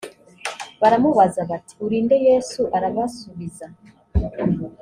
baramubaza bati uri nde yesu arabasubiza